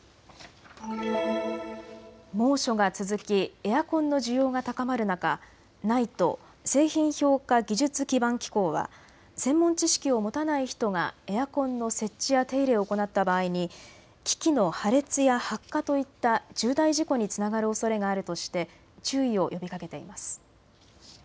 猛暑が続きエアコンの需要が高まる中、ＮＩＴＥ・製品評価技術基盤機構は専門知識を持たない人がエアコンの設置や手入れを行った場合に機器の破裂や発火といった重大事故につながるおそれがあるとして注意を呼びかけています。